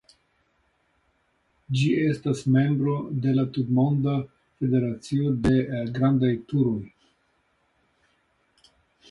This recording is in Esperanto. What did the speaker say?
Ĝi estas membro de la Tutmonda Federacio de Grandaj Turoj.